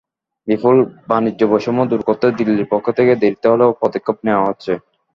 বিপুল বাণিজ্যবৈষম্য দূর করতে দিল্লির পক্ষ থেকে দেরিতে হলেও পদক্ষেপ নেওয়া হচ্ছে।